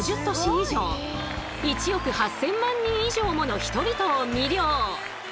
以上１億８，０００万人以上もの人々を魅了！